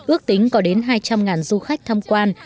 ước tính có đến hai trăm linh du khách tham quan